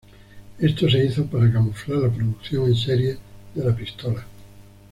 Esto se hizo para camuflar la producción en serie de la pistola.